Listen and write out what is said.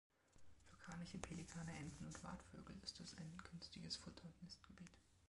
Für Kraniche, Pelikane, Enten und Watvögel ist es ein günstiges Futter- und Nistgebiet.